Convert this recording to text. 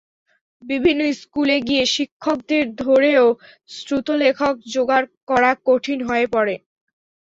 বিভিন্ন স্কুলে গিয়ে শিক্ষকদের ধরেও শ্রুতলেখক জোগাড় করা কঠিন হয়ে পড়ে।